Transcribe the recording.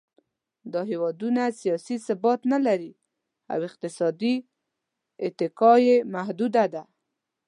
دا هېوادونه سیاسي ثبات نهلري او اقتصادي اتکا یې محدوده ده.